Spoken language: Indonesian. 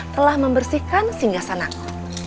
telah membersihkan singgah sanaku